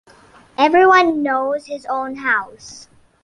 Everyone knows his own house.